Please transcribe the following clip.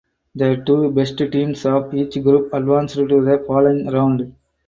The two best teams of each group advanced to the following round.